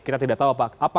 kita tidak tahu apa kemudian